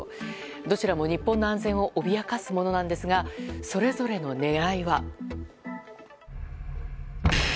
どちらも日本の安全を脅かすものなんですがそれぞれの狙いは。